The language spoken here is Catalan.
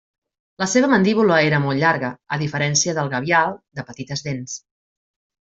La seva mandíbula era molt llarga, a diferència del gavial, de petites dents.